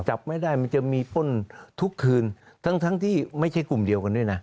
จับไม่ได้มันจะมีป้นทุกคืนทั้งทั้งที่ไม่ใช่กลุ่มเดียวกันด้วยนะ